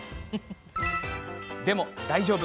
でも大丈夫。